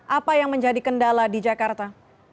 apa yang menjadi kendala di jakarta